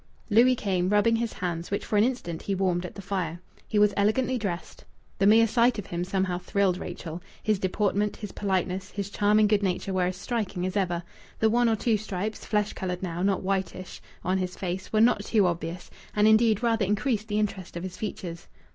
Louis came, rubbing his hands, which for an instant he warmed at the fire. He was elegantly dressed. The mere sight of him somehow thrilled Rachel. His deportment, his politeness, his charming good nature were as striking as ever. The one or two stripes (flesh coloured now, not whitish) on his face were not too obvious, and, indeed, rather increased the interest of his features.